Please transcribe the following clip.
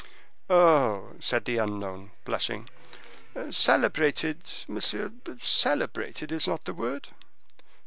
"Oh!" said the unknown, blushing, "celebrated, monsieur, celebrated is not the word."